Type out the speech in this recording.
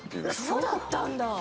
そうだったんだ。